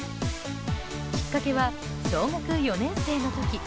きっかけは小学４年生の時。